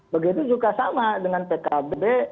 begitu juga sama dengan pkb